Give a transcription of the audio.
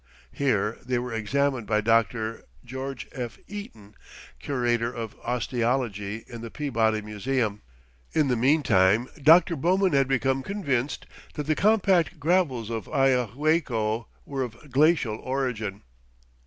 Here they were examined by Dr. George F. Eaton, Curator of Osteology in the Peabody Museum. In the meantime Dr. Bowman had become convinced that the compact gravels of Ayahuaycco were of glacial origin.